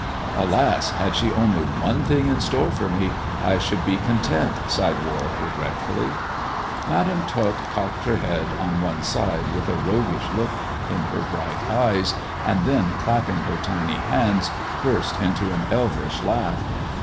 " Alas ! had she only one thing in store for me, I should be content," sighed Warwick regretfully: • Madam Tot cocked her head on one side with a roguish look in her bright eyes, and then clapping her tiny hands burst into an elvish laugh.